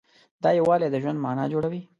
دا یووالی د ژوند معنی جوړوي.